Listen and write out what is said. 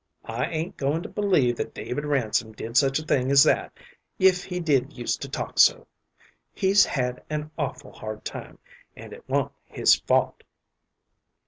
I ain't goin' to believe that David Ransom did such a thing as that, if he did used to talk so. He's had an awful hard time, and it wa'n't his fault."